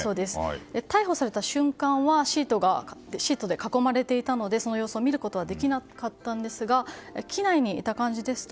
逮捕された瞬間はシートで囲まれていたのでその様子を見ることはできなかったんですが機内にいた感じですと